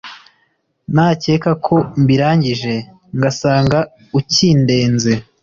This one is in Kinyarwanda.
nakeka ko mbirangije, ngasanga ukindenze